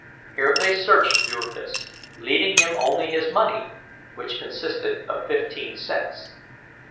Here they searched Jurgis, leaving him only his money, which consisted of fifteen cents.